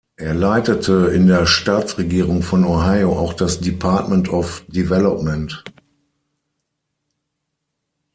Er leitete in der Staatsregierung von Ohio auch das "Department of Development".